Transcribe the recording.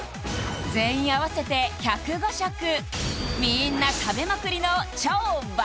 全員合わせて１０５食みーんな食べまくりの超爆